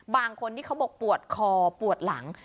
บางคนที่เขาบอกปวดคอปวดหลัง